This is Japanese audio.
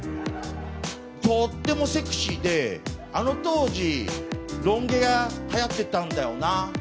とってもセクシーであの当時ロン毛がはやってたんだよな。